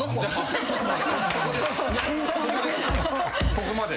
ここまで。